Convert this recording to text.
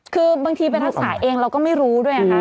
คือบางทีไปรักษาเองเราก็ไม่รู้ด้วยนะคะ